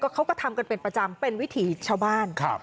เขาก็ทำกันเป็นประจำเป็นวิถีชาวบ้าน